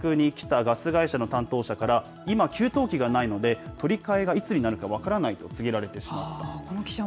壊れた翌日、自宅に来たガス会社の担当者から、今、給湯器がないので、取り替えがいつになるか分からないと告げられてしまうと。